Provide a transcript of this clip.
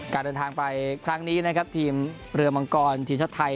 การเดินทางไปครั้งนี้นะครับทีมเรือมังกรทีมชาติไทย